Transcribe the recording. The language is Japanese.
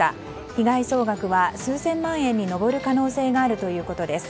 被害総額は数千万円に上る可能性があるということです。